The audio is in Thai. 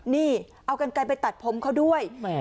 นี่เอากันไกลไปตัดผมเขาด้วย